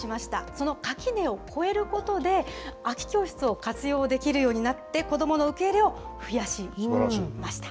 その垣根を越えることで、空き教室を活用できるようになって、子どもの受け入れを増やしました。